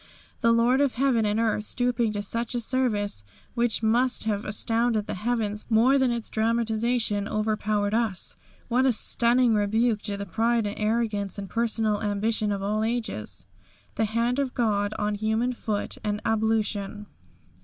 The Lord of heaven and earth stooping to such a service which must have astounded the heavens more than its dramatisation overpowered us! What a stunning rebuke to the pride and arrogance and personal ambition of all ages! The Hand of God on Human Foot in Ablution!